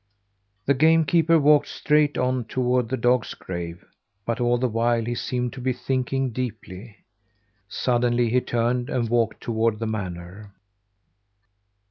The game keeper walked straight on toward the dog's grave; but all the while he seemed to be thinking deeply. Suddenly he turned and walked toward the manor.